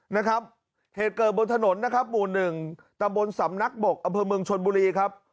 นะครับเหตุเกิดบนถนนนะครับหมู่หนึ่งตำบลสำนักบกอำเภอเมืองชนบุรีครับ